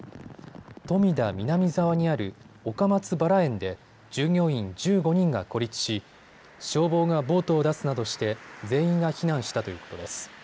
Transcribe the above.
富田南澤にある岡松バラ園で従業員１５人が孤立し消防がボートを出すなどして全員が避難したということです。